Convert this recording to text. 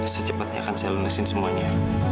secepatnya akan saya lunasin semuanya